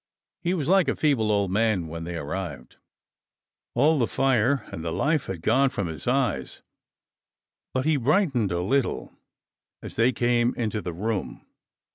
He was like a feeble old man when they arrived. All the fire and the life had gone from his eyes, but he brightened a little as they came into the room.